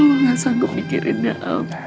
mama gak sanggup mikirinnya al